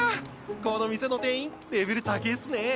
この店の店員レベル高ぇっすね。